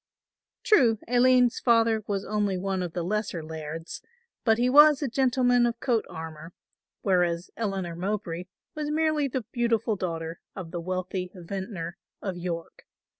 True, Aline's father was only one of the lesser Lairds, but he was a gentleman of coat armour, whereas Eleanor Mowbray was merely the beautiful daughter of the wealthy vintner of York.